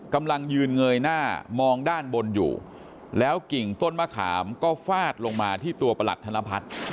กำลังยืนเงยหน้ามองด้านบนอยู่แล้วกิ่งต้นมะขามก็ฟาดลงมาที่ตัวประหลัดธนพัฒน์